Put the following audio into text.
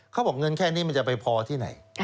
เขาบอกเงินแค่นี้มันจะไปพอที่ไหน